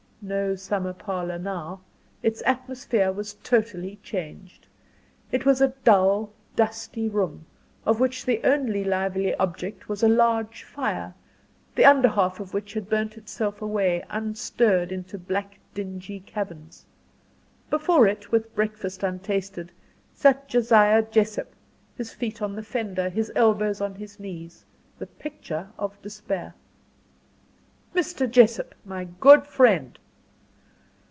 No summer parlour now its atmosphere was totally changed. It was a dull, dusty room, of which the only lively object was a large fire, the under half of which had burnt itself away unstirred into black dingy caverns. Before it, with breakfast untasted, sat Josiah Jessop his feet on the fender, his elbows on his knees, the picture of despair. "Mr. Jessop, my good friend!"